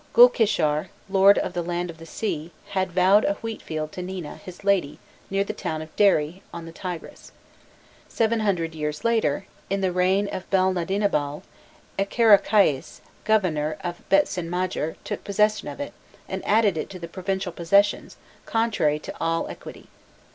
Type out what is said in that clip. Gulkishar, Lord of the "land of the sea," had vowed a wheat field to Nina, his lady, near the town of Deri, on the Tigris. Seven hundred years later, in the reign of Belnadinabal, Ekarrakais, governor of Bitsinmagir, took possession of it, and added it to the provincial possessions, contrary to all equity.